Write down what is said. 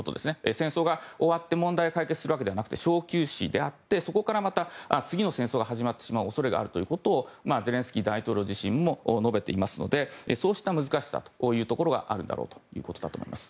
戦争が終わって問題が解決するわけではなく小休止であってそこからまた次の戦争が始まってしまう恐れがあるということをゼレンスキー大統領自身も述べていますのでそうした難しさこういうところがあるんだろうと思います。